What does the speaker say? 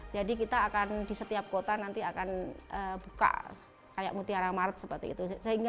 jadi kita akan di setiap kota nanti akan buka kayak mutiara maret seperti itu